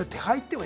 はい？